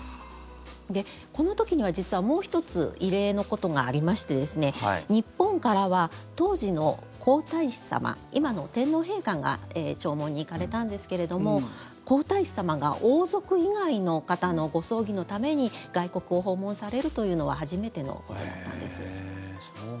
で、この時には実はもう１つ異例のことがありまして日本からは当時の皇太子さま今の天皇陛下が弔問に行かれたんですけれども皇太子さまが王族以外の方のご葬儀のために外国を訪問されるというのは初めてのことだったんです。